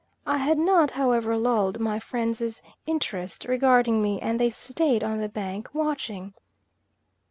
I had not however lulled my friends' interest regarding me, and they stayed on the bank watching.